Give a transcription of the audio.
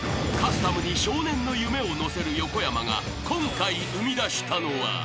［カスタムに少年の夢を乗せる横山が今回生み出したのは］